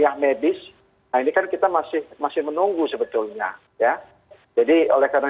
penggunaan lelaki ini sangat berharga